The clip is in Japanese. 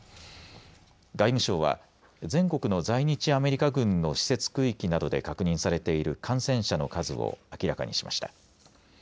外務省は全国の在日アメリカ軍の施設区域などで確認されている感染者の数を明らかにしました。